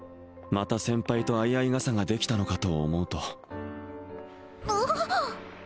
また先輩と相合い傘ができたのかと思うとんあっ！